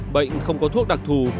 bệnh không có thuốc đặc thù